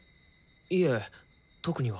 いえ特には。